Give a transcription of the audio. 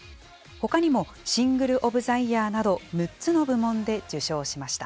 ほかにもシングル・オブ・ザ・イヤーなど、６つの部門で受賞しま